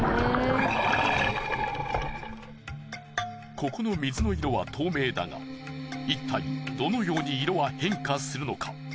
ここの水の色は透明だがいったいどのように色は変化するのか？